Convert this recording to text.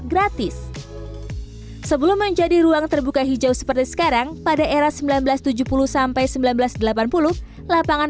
gratis sebelum menjadi ruang terbuka hijau seperti sekarang pada era seribu sembilan ratus tujuh puluh sampai seribu sembilan ratus delapan puluh lapangan